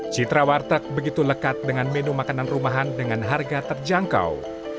citra warteg begitu lekat dengan menu makanan rumahan dengan harga terjangkau